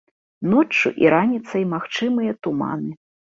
Ноччу і раніцай магчымыя туманы.